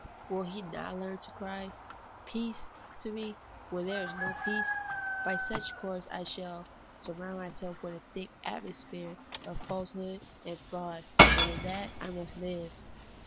Will he not learn to cry, ' Peace,' to me, when there is no peace ? By such a course I shall surround myself with a thick atmosphere of falsehood and fraud, and in that I must hve.